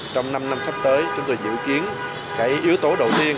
trong năm năm sắp tới chúng tôi dự kiến cái yếu tố đầu tiên